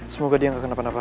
semoga dia nggak kenapa napa